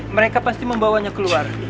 mereka pasti membawanya keluar